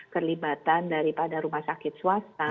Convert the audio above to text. kelibatan daripada rumah sakit swasta